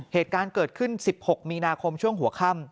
เหตุการณ์เกิดขึ้น๑๖มีนาคมช่วงหัวค่ำ